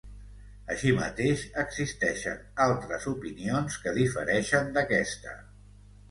Així mateix, existeixen altres opinions que difereixen d'aquesta.